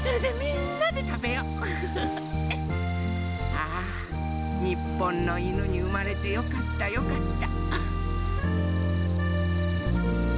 ああにっぽんのいぬにうまれてよかったよかった。